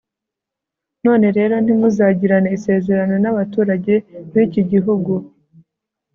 none rero, ntimuzagirane isezerano n'abaturage b'iki gihugu